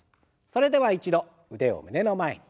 それでは一度腕を胸の前に。